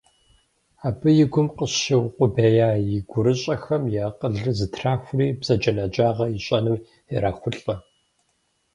Абы и гум къыщыукъубея и гурыщӏэхэм и акъылыр зэтрахури, бзаджэнаджагъэр ищӏэным ирахулӏэ.